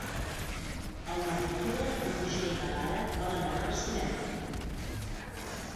El nou d'octubre en Roger i na Lara volen anar al cinema.